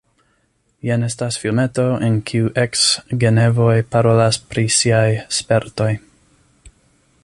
Jen estas filmeto, en kiu eks-genevoj parolas pri siaj spertoj.